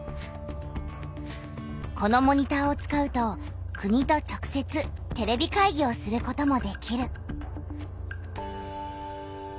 このモニターを使うと国と直せつテレビ会議をすることもできる。